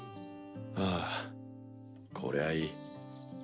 ああこりゃいい。